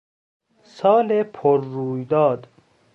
سال پر رویداد